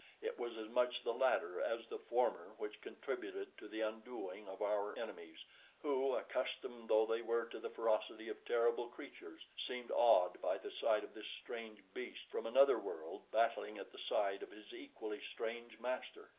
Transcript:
It was as much the latter as the former which contributed to the undoing of our enemies, who, accustomed though they were to the ferocity of terrible creatures, seemed awed by the sight of this strange beast from another world battling at the side of his equally strange master.